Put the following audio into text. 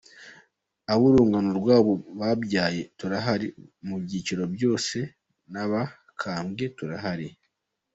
Ab’urungano rw’abo babyaye turahari mu byiciro byose n’abakambwe turahari.